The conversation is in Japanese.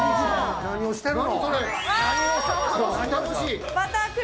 何をしてるの？